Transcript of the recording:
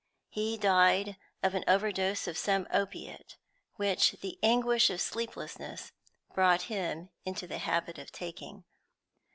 He died of an overdose of some opiate, which the anguish of sleeplessness brought him into the habit of taking.